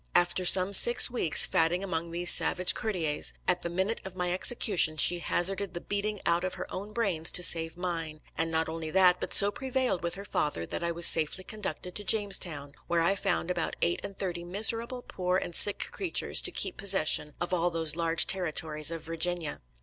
After some six weeks fatting among these savage courtiers, at the minute of my execution she hazarded the beating out of her own brains to save mine; and not only that, but so prevailed with her father that I was safely conducted to Jamestown, where I found about eight and thirty miserable, poor and sick creatures to keep possession of all those large territories of Virginia.